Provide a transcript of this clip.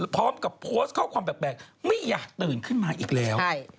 พร้อมกับโพสต์ข้อความแปลกไม่อยากตื่นขึ้นมาอีกแล้ว